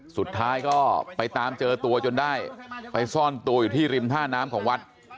สุดท้ายก็ไปตามเจอตัวจนได้ไปซ่อนตัวอยู่ที่ริมท่าน้ำของวัด